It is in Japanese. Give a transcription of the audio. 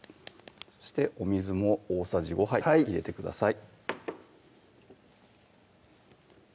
そしてお水も大さじ５杯入れてください